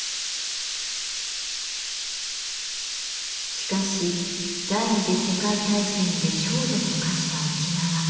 しかし第二次世界大戦で焦土と化した沖縄。